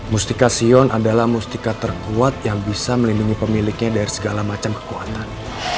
mustika sion adalah mustika terkuat yang bisa melindungi pemiliknya dari segala macam kekuatan